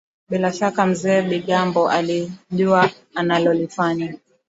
bila shaka Mzee Bigambo alijua analolifanya